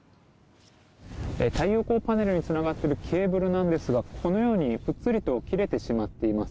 太陽光パネルにつながっているケーブルなんですがこのようにぷっつりと切れてしまっています。